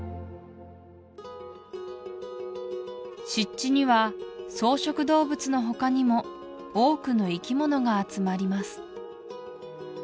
湿地には草食動物のほかにも多くの生き物が集まります